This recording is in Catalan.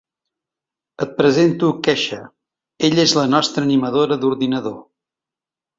Et presento Kesha, ella és la nostra animadora d'ordinador.